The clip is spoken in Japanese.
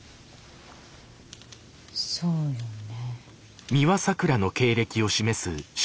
そうよね。